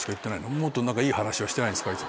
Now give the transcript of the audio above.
もっといい話はしてないですか？